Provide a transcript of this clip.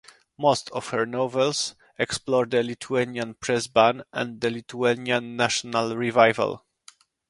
Most of her novels explore the Lithuanian press ban and the Lithuanian National Revival.